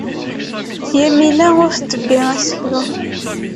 Yamina ur tebbi aseklu.